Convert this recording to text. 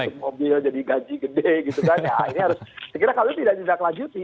yang sekarang lagi